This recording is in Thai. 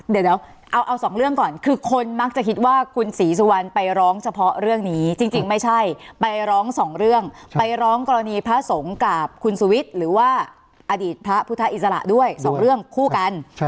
เดี๋ยวเอาสองเรื่องก่อนคือคนมักจะคิดว่าคุณศรีสุวรรณไปร้องเฉพาะเรื่องนี้จริงไม่ใช่ไปร้องสองเรื่องไปร้องกรณีพระสงฆ์กับคุณสุวิทย์หรือว่าอดีตพระพุทธอิสระด้วยสองเรื่องคู่กัน